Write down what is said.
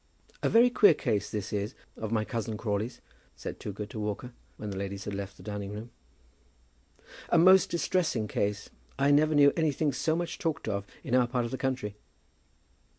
"A very queer case this is of my cousin Crawley's," said Toogood to Walker, when the ladies had left the dining room. "A most distressing case. I never knew anything so much talked of in our part of the country."